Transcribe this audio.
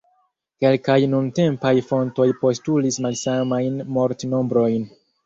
Kelkaj nuntempaj fontoj postulis malsamajn mortnombrojn.